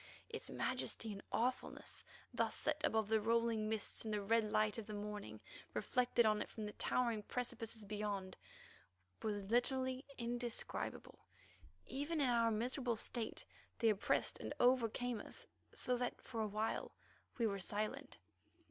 Its majesty and awfulness set thus above the rolling mists in the red light of the morning, reflected on it from the towering precipices beyond, were literally indescribable; even in our miserable state, they oppressed and overcame us, so that for awhile we were silent.